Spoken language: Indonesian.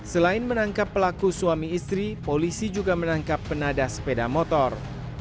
selain menangkap pelaku suami istri polisi juga menangkap penadah sepeda motor